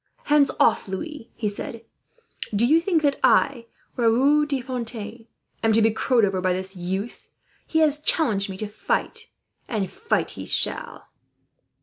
"Hands off, Louis," he said. "Do you think that I, Raoul de Fontaine, am to be crowed over by this youth? He has challenged me to fight, and fight he shall."